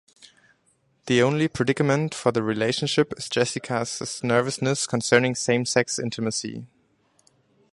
The only predicament for the relationship is Jessica's nervousness concerning same-sex intimacy.